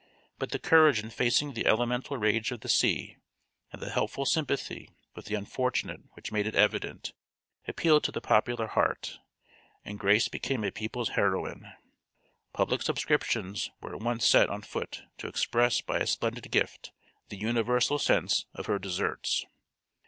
But the courage in facing the elemental rage of the sea, and the helpful sympathy with the unfortunate which it made evident, appealed to the popular heart, and Grace became a people's heroine. Public subscriptions were at once set on foot to express by a splendid gift the universal sense of her deserts.